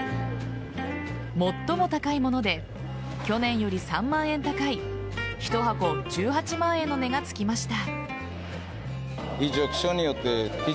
最も高いもので去年より３万円高い１箱１８万円の値がつきました。